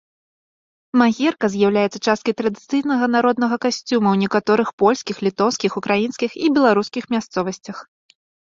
Магерка з'яўляецца часткай традыцыйнага народнага касцюма ў некаторых польскіх, літоўскіх, украінскіх і беларускіх мясцовасцях.